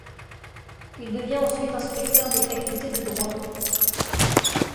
Il devient ensuite inspecteur des facultés de droit.